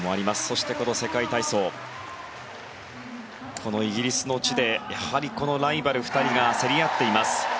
そして、この世界体操このイギリスの地でやはりライバル２人が競り合っています。